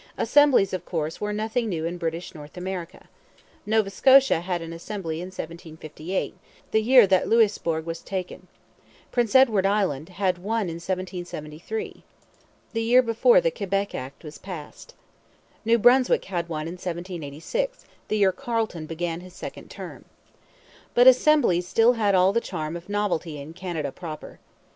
Assemblies, of course, were nothing new in British North America. Nova Scotia had an assembly in 1758, the year that Louisbourg was taken. Prince Edward Island had one in 1773, the year before the Quebec Act was passed. New Brunswick had one in 1786, the year Carleton began his second term. But assemblies still had all the charm of novelty in 'Canada proper.'